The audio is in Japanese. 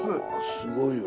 すごいわ。